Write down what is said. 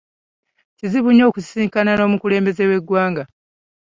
Kizibu nnyo okusisinkana n'omukulembeze w'eggwanga.